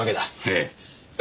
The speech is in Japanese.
ええ。